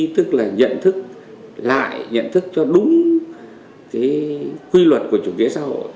tức là nhận thức lại nhận thức cho đúng cái quy luật của chủ nghĩa xã hội